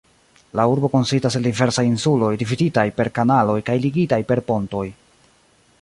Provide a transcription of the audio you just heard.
La urbo konsistas el diversaj insuloj, dividitaj per kanaloj kaj ligitaj per pontoj.